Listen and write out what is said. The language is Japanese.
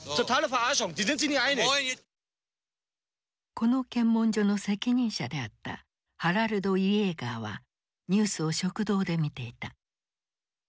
この検問所の責任者であったハラルド・イエーガーはニュースを食堂で見ていた。